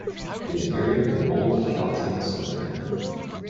He is buried in Old Calton Cemetery.